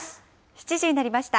７時になりました。